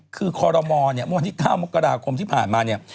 คือคอรมอลเนี่ยเมื่อวันที่๙มกราคมที่ผ่านมาเนี่ย